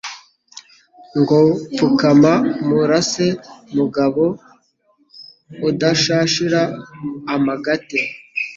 ngo pfukama umurase mugabo udashashira amagate